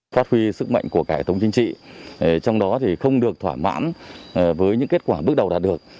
phát huy sức mạnh của cải thống chính trị trong đó thì không được thỏa mãn với những kết quả bước đầu đạt được